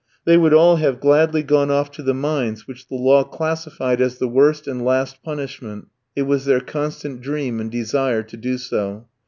They would all have gladly gone off to the mines, which the law classified as the worst and last punishment, it was their constant dream and desire to do so.